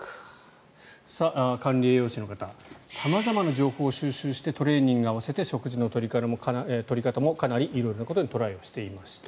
管理栄養士の方様々な情報を収集してトレーニングに合わせて食事の取り方もかなり色々なことにトライをしていました。